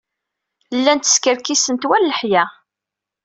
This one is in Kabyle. Llant skerkisent war leḥya.